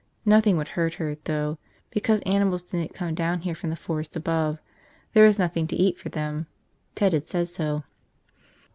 Nothing would hurt her, though, because animals didn't come down here from the forest above, there was nothing to eat for them, Ted had said so.